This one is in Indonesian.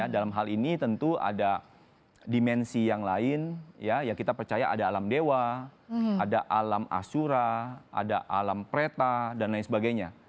dalam hal ini tentu ada dimensi yang lain ya kita percaya ada alam dewa ada alam ashura ada alam kereta dan lain sebagainya